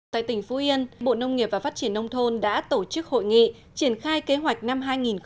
tại tỉnh phú yên bộ nông nghiệp và phát triển nông thôn đã tổ chức hội nghị triển khai kế hoạch năm hai nghìn hai mươi